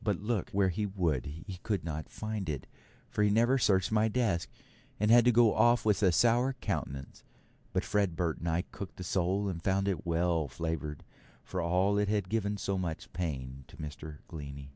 But look where he would, he could not find it, for he never searched my desk, and had to go off with a sour countenance; but Fred Burt and I cooked the sole, and found it well flavoured, for all it had given so much pain to Mr. Glennie.